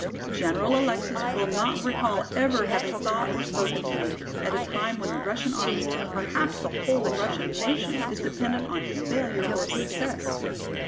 General Alexis will not recall ever having thought or spoken to me, at a time when the Russian army, perhaps the whole Russian nation, is dependent on his failure or success.